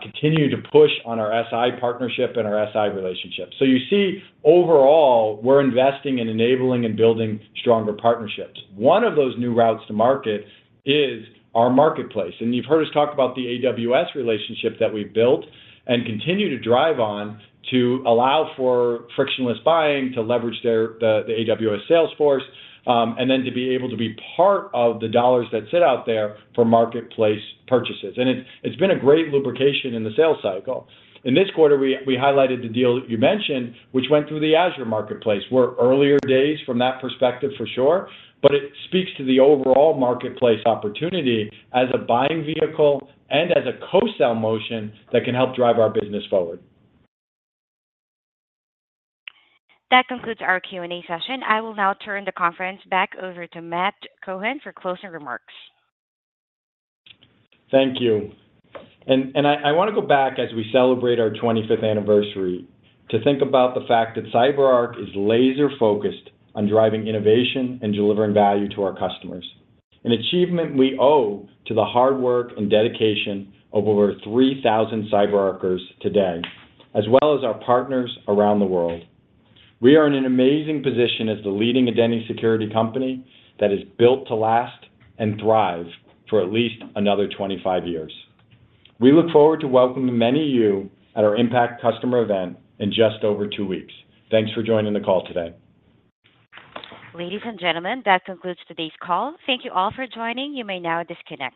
continue to push on our SI partnership and our SI relationship. So you see, overall, we're investing in enabling and building stronger partnerships. One of those new routes to market is our marketplace. And you've heard us talk about the AWS relationship that we've built and continue to drive on to allow for frictionless buying, to leverage the AWS sales force, and then to be able to be part of the dollars that sit out there for marketplace purchases. It's been a great lubrication in the sales cycle. In this quarter, we highlighted the deal that you mentioned, which went through the Azure Marketplace. We're in earlier days from that perspective, for sure. But it speaks to the overall marketplace opportunity as a buying vehicle and as a co-sell motion that can help drive our business forward. That concludes our Q&A session. I will now turn the conference back over to Matt Cohen for closing remarks. Thank you. I want to go back as we celebrate our 25th anniversary to think about the fact that CyberArk is laser-focused on driving innovation and delivering value to our customers, an achievement we owe to the hard work and dedication of over 3,000 CyberArkers today, as well as our partners around the world. We are in an amazing position as the leading identity security company that is built to last and thrive for at least another 25 years. We look forward to welcoming many of you at our Impact customer event in just over two weeks. Thanks for joining the call today. Ladies and gentlemen, that concludes today's call. Thank you all for joining. You may now disconnect.